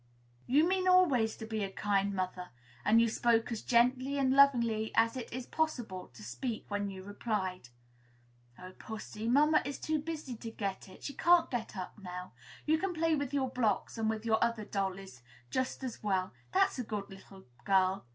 You mean always to be a very kind mother, and you spoke as gently and lovingly as it is possible to speak when you replied: "Oh, Pussy, mamma is too busy to get it; she can't get up now. You can play with your blocks, and with your other dollies, just as well; that's a good little girl."